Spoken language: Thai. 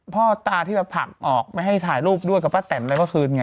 พ่อตาที่ผักออกไม่ให้ถ่ายรูปด้วยกับพ่อแกทรมอะไรก็คืนไง